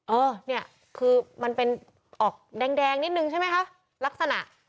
เออเนี่ยคือมันเป็นออกแดงนิดนึงใช่ไหมคะลักษณะ